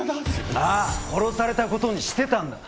ああ殺されたことにしてたんだ。